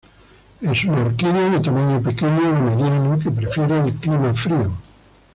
Es una orquídea de tamaño pequeño a mediano que prefiere el clima frío.